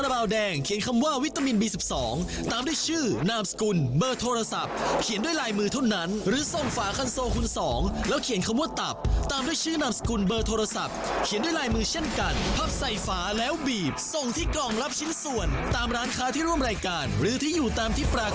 บาวแดงเขียนคำว่าวิตามินบี๑๒ตามด้วยชื่อนามสกุลเบอร์โทรศัพท์เขียนด้วยลายมือเท่านั้นหรือส่งฝาคันโซคุณสองแล้วเขียนคำว่าตับตามด้วยชื่อนามสกุลเบอร์โทรศัพท์เขียนด้วยลายมือเช่นกันพับใส่ฝาแล้วบีบส่งที่กล่องรับชิ้นส่วนตามร้านค้าที่ร่วมรายการหรือที่อยู่ตามที่ปรากฏ